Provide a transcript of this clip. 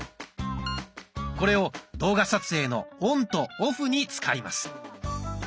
これを動画撮影のオンとオフに使います。